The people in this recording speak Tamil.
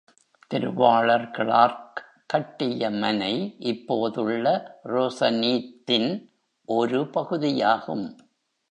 திருவாளர் கிளார்க் கட்டிய மனை இப்போதுள்ள ரோசனீத் தின் ஒரு பகுதியாகும்.